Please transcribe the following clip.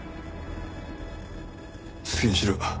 好きにしろ。